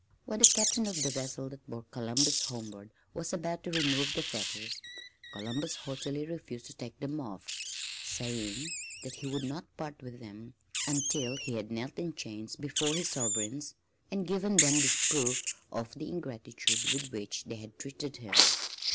When the Captain of the vessel that bore Columbus homeward was about to remove the fetters, Columbus haughtily refused to take them off, saying that he would not part with them until he had knelt in chains before his sovereigns and given them this proof of the ingratitude with which they had treated him.